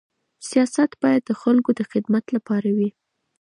سیاست باید د خلکو د خدمت لپاره وي.